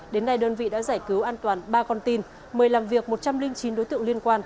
đến nay đơn vị đã giải cứu an toàn ba con tin mời làm việc một trăm linh chín đối tượng liên quan